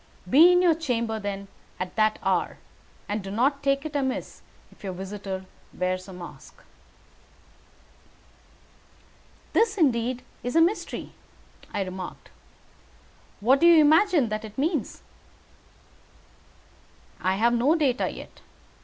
Be in your chamber, then, at that hour, and do not take it amiss if your visitor wears a mask." "This is indeed a mystery," I remarked. "What do you imagine that it means?" "I have no data yet.